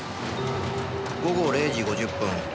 午後０時５０分。